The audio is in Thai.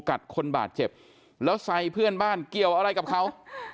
กัดคนบาดเจ็บแล้วใส่เพื่อนบ้านเกี่ยวอะไรกับเขา